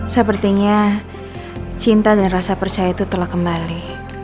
sepertinya cinta dan rasa percaya itu telah kembali